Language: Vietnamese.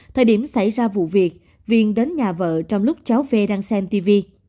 thời điểm xảy ra vụ việc viên đến nhà vợ trong lúc cháu v đang xem tv